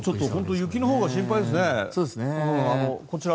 雪のほうが心配ですね。